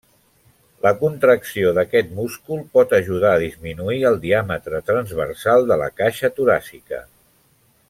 La contracció d'aquest múscul pot ajudar a disminuir el diàmetre transversal de la caixa toràcica.